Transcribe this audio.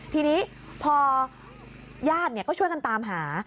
ทีนี้พอญาติก็ช่วยกันตามหา